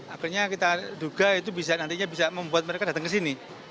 akhirnya kita duga itu bisa nantinya bisa membuat mereka datang ke sini